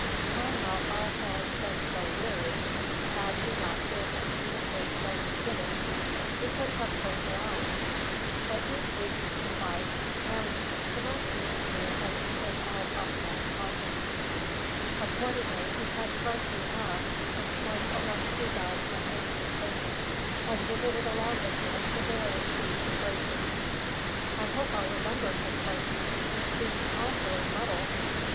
Had not all hands been so weary, had he not feared to communicate his own misgivings, he could have towed her out. But these reasons sufficed, and the most he could do was to take all possible precautions. Accordingly he had Carthew aft, explained what was to be done with anxious patience, and visited along with him the various sheets and braces. "I hope I'll remember," said Carthew. "It seems awfully muddled."